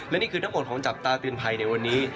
และนี่คือทั้งหมดของจับตาเตือนภัยในวันนี้